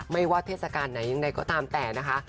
ไม่ว่าเทศกาลไหนยังไงก็ตามแต่นะคะ